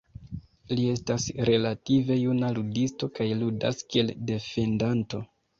Li estas relative juna ludisto kaj ludas kiel defendanto.